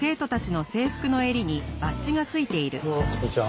どうもこんにちは。